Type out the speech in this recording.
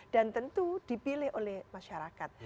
dan tentu dipilih oleh masyarakat